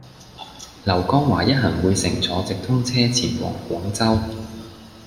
劉江華一行會乘坐直通車前往廣州